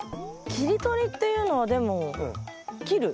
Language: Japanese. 切り取りっていうのはでも切る。